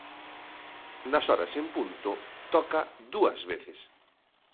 Nas horas en punto toca dúas veces.